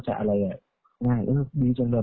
มันก็ร้องบอดหลานแล้วก็ดีจังเลย